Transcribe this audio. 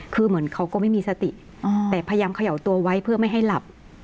คือเหมือนเขาก็ไม่มีสติแต่พยายามเขย่าตัวไว้เพื่อไม่ให้หลับ